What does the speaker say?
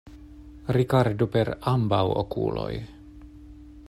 Rigardu per ambaŭ okuloj!